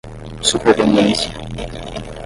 superveniência